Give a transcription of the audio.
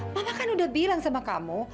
bapak kan udah bilang sama kamu